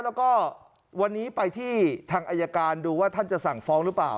แล้วก็วันนี้ไปที่ทางอายการดูว่าท่านจะสั่งฟ้องหรือเปล่า